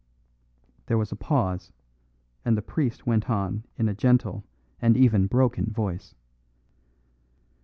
There was a pause, and the priest went on in a gentle and even broken voice.